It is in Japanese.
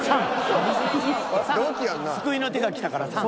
救いの手が来たから「さん」？